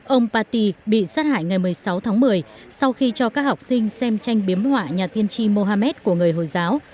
ông paty bị sát hại ngày một mươi sáu tháng một mươi sau khi cho các học sinh xem tranh biếm họa nhà tiên tri mohammed của người hồi giáo